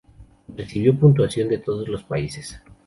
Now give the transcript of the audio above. Recibió puntuación de todos los países.